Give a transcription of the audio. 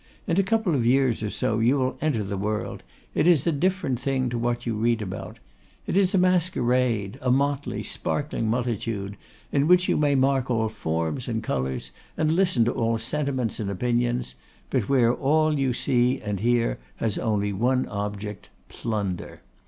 In a couple of years or so you will enter the world; it is a different thing to what you read about. It is a masquerade; a motley, sparkling multitude, in which you may mark all forms and colours, and listen to all sentiments and opinions; but where all you see and hear has only one object, plunder.